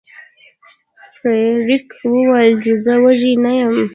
فلیریک وویل چې زه وږی نه یم.